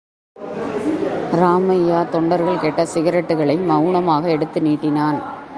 ராமையா, தொண்டர்கள் கேட்ட சிகரெட்டுகளை, மவுனமாக எடுத்து நீட்டினான்.